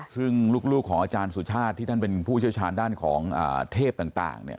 ซึ่งลูกของอาจารย์สุชาติที่ท่านเป็นผู้เชี่ยวชาญด้านของเทพต่างเนี่ย